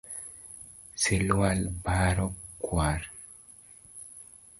Silwal bore kwar